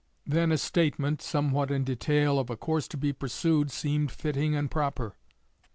Then a statement, somewhat in detail, of a course to be pursued, seemed fitting and proper.